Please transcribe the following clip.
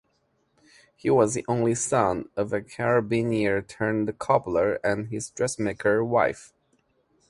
He was the only son of a carabiniere turned cobbler and his dressmaker wife.